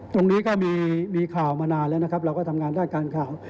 ตรงนี้ก็มีข่าวมานานแล้วนะครับเราก็ทำงานด้านการข่าว